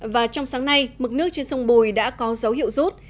và trong sáng nay mực nước trên sông bùi đã có dấu hiệu rút